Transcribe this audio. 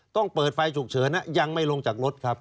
ต้องเปิดไฟฉุกเฉินยังไม่ลงจากรถครับ